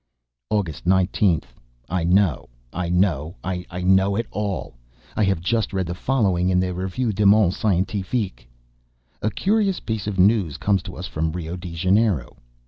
August 19th. I know, ... I know ... I know all! I have just read the following in the Revue de Monde Scientifique: "A curious piece of news comes to us from Rio de Janeiro.